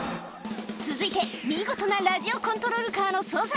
続いて見事なラジオコントロールカーの操作